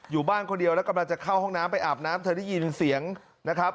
อยู่บ้านคนเดียวแล้วกำลังจะเข้าห้องน้ำไปอาบน้ำเธอได้ยินเสียงนะครับ